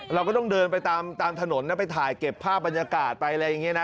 เราก็ต้องเดินไปตามถนนนะไปถ่ายเก็บภาพบรรยากาศไปอะไรอย่างนี้นะ